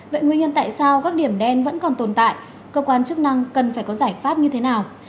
vậy nguyên nhân tại sao các điểm đen vẫn còn tồn tại cơ quan chức năng cần phải có giải pháp như thế nào